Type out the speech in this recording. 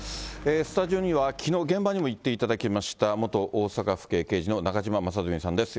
スタジオにはきのう、現場にも行っていただきました、元大阪府警刑事の中島正純さんです。